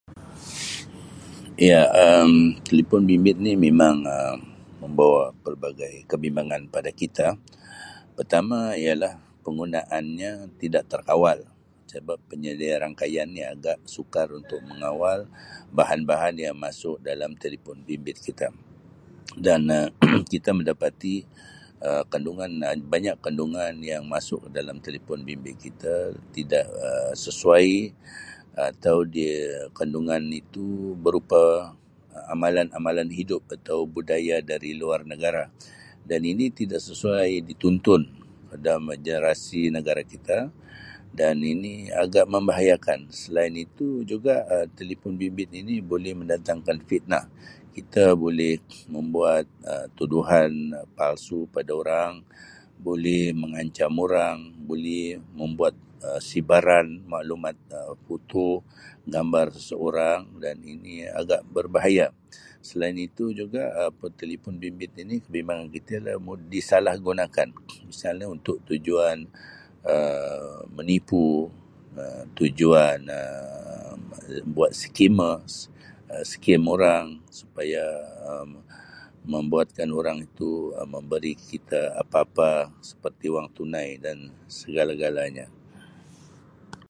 Iya, Um telipun bimbit ni mimang Um membawa pelbagai kebimbangan pada kita. Pertama ialah penggunaannya tidak terkawal sebab penyelia rankaian yang agak sukar untuk mengawal bahan-bahan yang masuk dalam telipun bimbit kita dan Um kita mendapati Um kandungan- Um banyak kandungan yang masuk ke dalam telipun bimbit kita tidak Um sesuai atau dia kandungan itu berupa amalan-amalan hidup atau budaya dari luar negara. Dan ini tidak sesuai dituntun pada [unintelligible] negara kita dan ini agak membahayakan. Selain itu juga Um telipun bimbit ini boleh mendatangkan fitnah. Kita boleh membuat Um tuduhan Um palsu pada orang. Bulih mengancam urang. Bulih membuat Um sibaran maklumat Um foto, gambar seseorang dan ini agak berbahaya. Selain itu juga Um telipun bimbit ini mimang [unintelligible] disalahgunakan. Misalnya untuk tujuan Um menipu, Um tujuan Um buat scammers. Um Scam orang. Supaya Um membuatkan orang itu Um memberi kita apa-apa seperti wang tunai dan segala-galanya.